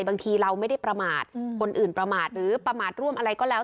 บางทีเราไม่ได้ประมาทคนอื่นประมาทหรือประมาทร่วมอะไรก็แล้ว